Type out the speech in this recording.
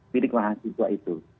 pilih mahasiswa itu